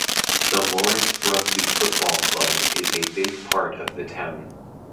The Lawrence Rugby Football Club is a big part of the town.